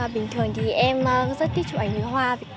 bình thường thì em rất thích chụp ảnh với hoa